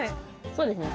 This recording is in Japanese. そうですね。